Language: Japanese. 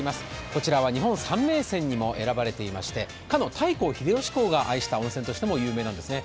こちらは日本三名泉にも選ばれていましてかの秀吉公が愛した温泉としても有名なんですね。